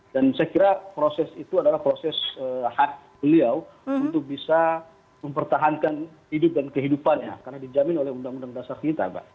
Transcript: dan saya kira proses itu adalah proses hak beliau untuk bisa mempertahankan hidup dan kehidupannya karena dijamin oleh undang undang dasar kita mbak